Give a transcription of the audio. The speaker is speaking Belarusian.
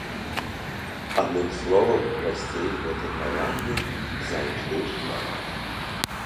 Адным словам, гасцей у гэтай кавярні заўжды шмат.